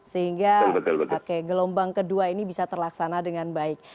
sehingga gelombang kedua ini bisa terlaksana dengan baik